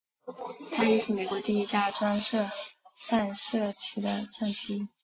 它亦是美国第一架装设弹射椅的战机。